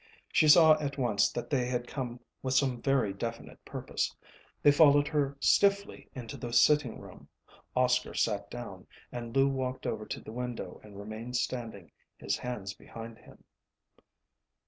She saw at once that they had come with some very definite purpose. They followed her stiffly into the sitting room. Oscar sat down, but Lou walked over to the window and remained standing, his hands behind him.